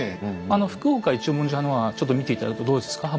福岡一文字派のはちょっと見て頂くとどうですか？